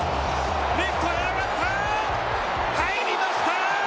入りました。